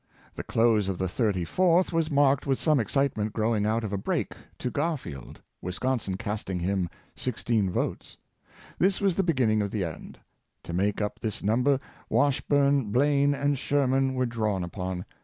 The close of the thirty fourth was marked with some excitement grow ing out of a break to Garfield, Wisconsin casting for him sixteen votes. This was the beginning of the end. To make up this number, Washburne, Blaine, and Sherman were drawn upon.